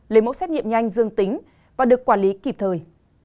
lấy mẫu xét nghiệm nhanh dương tính và được quản lý kịp thời